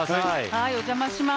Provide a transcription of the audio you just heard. はいお邪魔します。